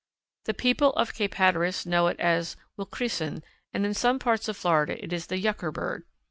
The people of Cape Hatteras know it as Wilkrissen, and in some parts of Florida it is the Yucker bird.